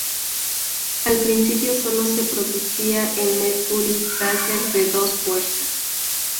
Al principio solo se producía el Mercury Tracer de dos puertas.